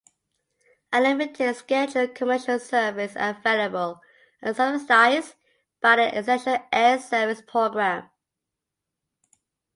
A limited scheduled commercial service is available, subsidized by the Essential Air Service program.